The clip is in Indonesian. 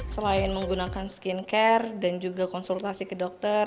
selain menggunakan skincare dan juga konsultasi ke dokter